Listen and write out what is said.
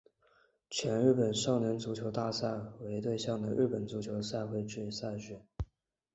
全日本少年足球大赛为对象的日本足球赛会制赛事。